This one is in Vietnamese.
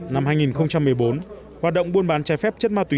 năm hai nghìn một mươi bốn hoạt động buôn bán trái phép chất ma túy